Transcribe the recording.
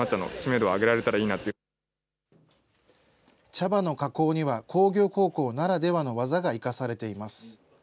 茶葉の加工には工業高校ならではの技が生かされています。